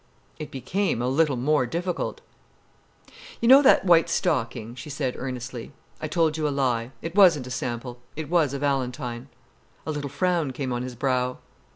It became a little more difficult. "You know that white stocking," she said earnestly. "I told you a lie. It wasn't a sample. It was a valentine." A little frown came on his brow.